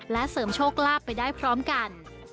และเสริมโชคลาภไปได้พร้อมกัน